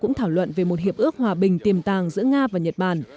cũng thảo luận về một hiệp ước hòa bình tiềm tàng giữa nga và nhật bản